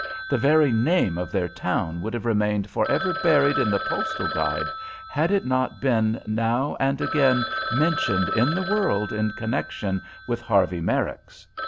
The very name of their town would have remained for ever buried in the postal guide had it not been now and again mentioned in the world in connection with Harvey Merrick's.